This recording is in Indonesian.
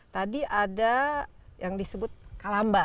tadi ada yang disebut kalamba